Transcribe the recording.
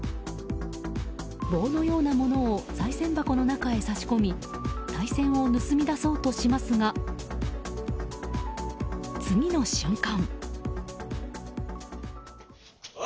棒のようなものをさい銭箱の中へ差し込みさい銭を盗み出そうとしますが次の瞬間。